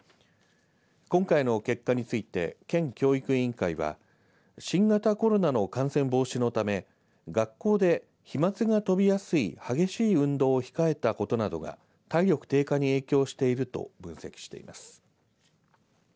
今回の結果について県教育委員会は新型コロナの感染防止のため学校で、飛まつが飛びやすい激しい運動を控えたことなどが体力低下に影響していると分析しています。